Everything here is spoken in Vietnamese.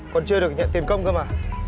còn chưa được nhận tiền công cơ mà